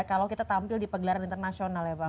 kalau kita tampil di pegelaran internasional ya bang